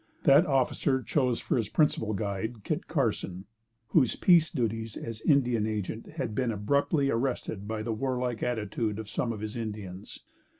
That officer chose for his principal guide Kit Carson, whose peace duties as Indian Agent had been abruptly arrested by the warlike attitude of some of his Indians.